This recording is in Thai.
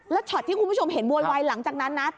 แล้วช็อตที่คุณผู้ชมเห็นโวยวายหลังจากนั้นนะ